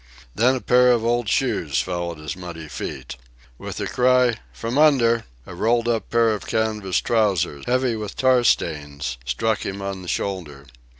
Then a pair of old shoes fell at his muddy feet. With a cry: "From under," a rolled up pair of canvas trousers, heavy with tar stains, struck him on the shoulder.